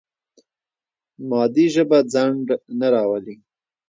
مادي ژبه ځنډ نه راولي.